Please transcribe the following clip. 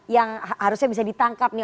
yang harusnya bisa ditangkap nih